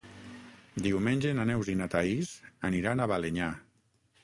Diumenge na Neus i na Thaís aniran a Balenyà.